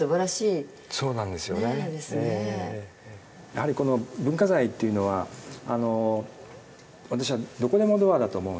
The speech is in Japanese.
やはりこの文化財っていうのは私はどこでもドアだと思うんですね。